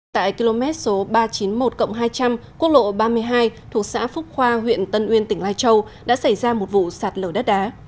tại km ba trăm chín mươi một hai trăm linh quốc lộ ba mươi hai thuộc xã phúc khoa huyện tân uyên tỉnh lai châu đã xảy ra một vụ sạt lở đất đá